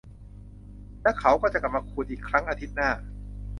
และเขาก็จะกลับมาขูดอีกครั้งอาทิตย์หน้า